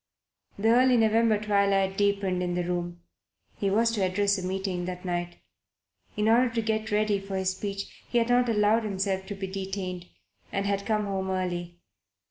The early November twilight deepened in the room. He was to address a meeting that night. In order to get ready for his speech he had not allowed himself to be detained, and had come home early.